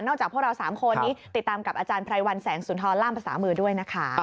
จากพวกเรา๓คนนี้ติดตามกับอาจารย์ไพรวัลแสงสุนทรล่ามภาษามือด้วยนะคะ